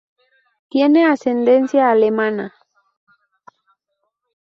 Tiene ascendencia alemana.